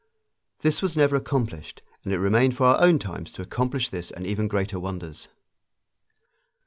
This was never accomplished, and it remained for our own times to accomplish this and even greater wonders.